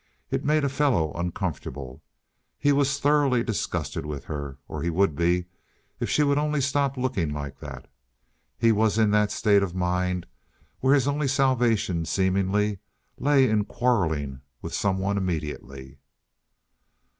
It made a fellow uncomfortable. He was thoroughly disgusted with her or he would be, if she would only stop looking like that. He was in that state of mind where his only salvation, seemingly, lay in quarreling with some one immediately.